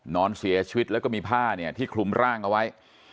นอนเสียชีวิตแล้วก็มีผ้าเนี่ยที่คลุมร่างเอาไว้